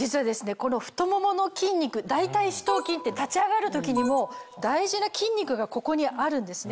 この太ももの筋肉大腿四頭筋って立ち上がる時にも大事な筋肉がここにあるんですね。